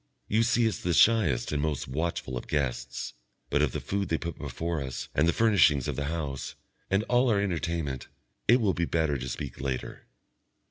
You see us the shyest and most watchful of guests; but of the food they put before us and the furnishings of the house, and all our entertainment, it will be better to speak later.